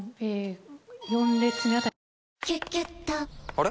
あれ？